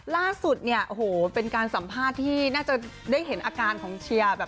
ล่าสุดเนี่ยโอ้โหเป็นการสัมภาษณ์ที่น่าจะได้เห็นอาการของเชียร์แบบ